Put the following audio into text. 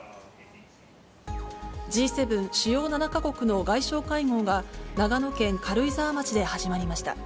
Ｇ７・主要７か国の外相会合が、長野県軽井沢町で始まりました。